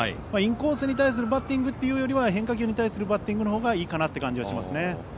インコースに対するバッティングというよりは変化球に対するバッティングのほうがいいかなという感じがします。